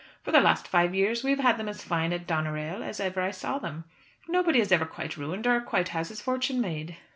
For the last five years we've had them as fine at Doneraile as ever I saw them. Nobody is ever quite ruined, or quite has his fortune made."